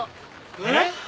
えっ！？